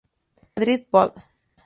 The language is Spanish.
Madrid, Bol.